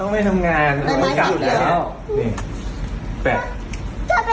หน้าเฮะ